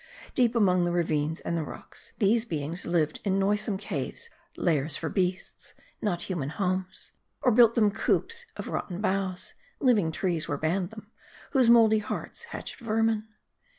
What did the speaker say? Deep among the ravines and the rocks, these beings lived in noisome caves, lairs for beasts, not human homes ; or built them coops of rotten boughs living trees were banned them whose mouldy hearts hatched vermin.